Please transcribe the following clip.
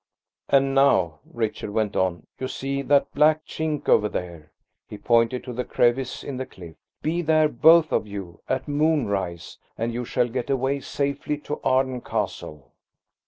"And now," Richard went on, "you see that black chink over there?" he pointed to the crevice in the cliff. "Be there, both of you, at moonrise, and you shall get away safely to Arden Castle."